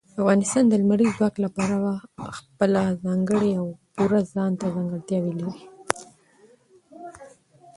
افغانستان د لمریز ځواک له پلوه خپله ځانګړې او پوره ځانته ځانګړتیاوې لري.